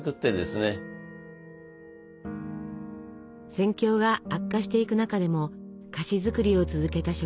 戦況が悪化していく中でも菓子作りを続けた職人たち。